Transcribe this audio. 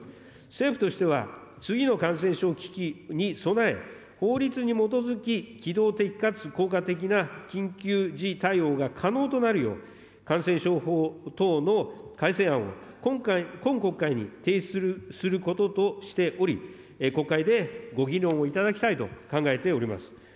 政府としては次の感染症危機に備え、法律に基づき機動的かつ効果的な緊急時対応が可能となるよう、感染症法等の改正案を今国会に提出することとしており、国会でご議論をいただきたいと考えております。